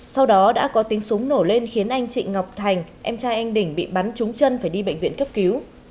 sau đó đã có tiếng súng nổ lên khiến anh trịnh ngọc thành em trai anh đình bị bắn trúng chân phải đi bệnh viện cấp cứu